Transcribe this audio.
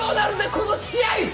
この試合！